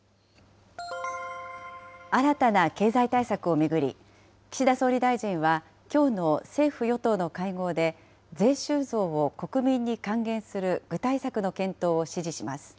新たな経済対策を巡り、岸田総理大臣は、きょうの政府・与党の会合で、税収増を国民に還元する具体策の検討を指示します。